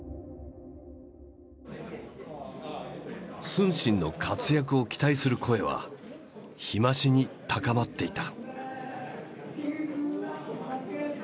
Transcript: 承信の活躍を期待する声は日増しに高まっていた。